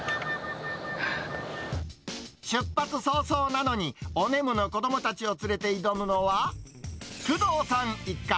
出発早々なのに、おねむの子どもたちを連れて挑むのは、工藤さん一家。